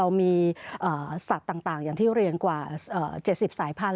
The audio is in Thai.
มีสัตว์ต่างอย่างที่เรียนกว่า๗๐สายพันธุ